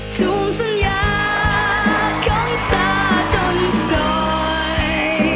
ทุ่มสัญญาของเธอจนจ่อย